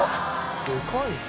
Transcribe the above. でかいね。